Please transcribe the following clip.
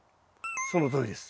そのとおりです。